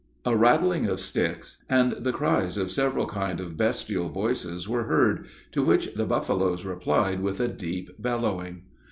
A rattling of sticks, and the cries of several kind? of bestial voices were heard to which the buffaloes replied with a deep bellowing.